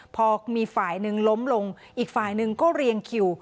พอมีฝ่ายหนึ่งล้มลงอีกฝ่ายหนึ่งก็เรียงคิว